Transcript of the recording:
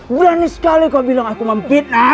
berani sekali kau bilang aku mempitnah